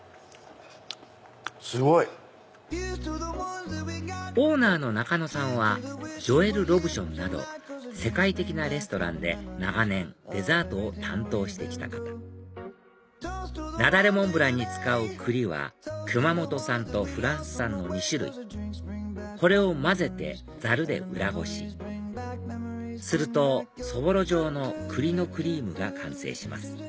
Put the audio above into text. すごい！オーナーの中野さんはジョエル・ロブションなど世界的なレストランで長年デザートを担当して来た方雪崩モンブランに使う栗は熊本産とフランス産の２種類これを混ぜてざるで裏ごしするとそぼろ状の栗のクリームが完成します